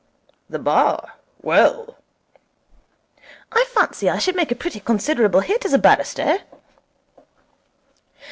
'The Bar? Well ' 'I fancy I should make a pretty considerable hit as a barrister.'